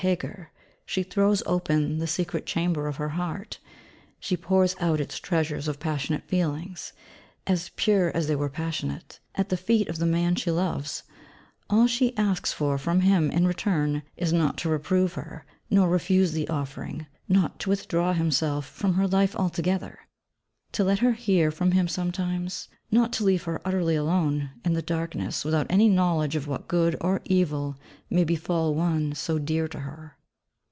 Heger she throws open the secret chamber of her heart: she pours out its treasures of passionate feelings (as pure as they were passionate) at the feet of the man she loves; all she asks for from him in return is not to reprove her, nor refuse the offering; not to withdraw himself from her life altogether. To let her hear from him sometimes: not to leave her utterly alone, in the darkness, without any knowledge of what good or evil may befall one so dear to her.